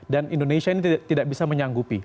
dan indonesia ini tidak bisa menyanggupi